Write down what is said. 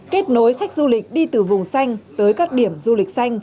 kết nối khách du lịch đi từ vùng xanh tới các điểm du lịch xanh